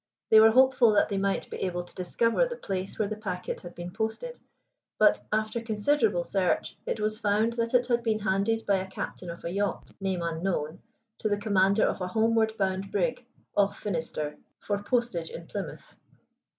They were hopeful that they might be able to discover the place where the packet had been posted, but after considerable search it was found that it had been handed by a captain of a yacht, name unknown, to the commander of a homeward bound brig, off Finisterre, for postage in Plymouth.